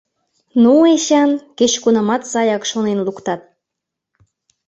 Ну, Эчан, кеч-кунамат саяк шонен луктат!